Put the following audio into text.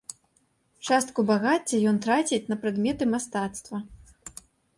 Частку багацця ён траціць на прадметы мастацтва.